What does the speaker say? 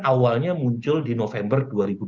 awalnya muncul di november dua ribu dua puluh